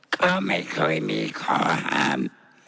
ก็ไม่เคยมีข้อหาม